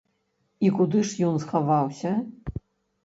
І куды ж ён схаваўся?